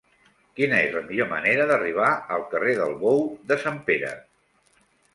Quina és la millor manera d'arribar al carrer del Bou de Sant Pere?